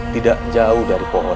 tidak jauh dari pohon